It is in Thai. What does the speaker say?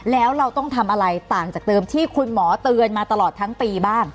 แล้วเราต้องทำอะไรต่างจากเดิมที่คุณหมอเตือนมาตลอดทั้งปีบ้าง